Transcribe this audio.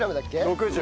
６０。